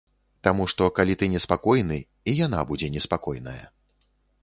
Таму што калі ты неспакойны, і яна будзе неспакойная.